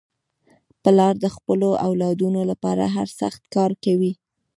پلار د خپلو اولادنو لپاره هر سخت کار کوي.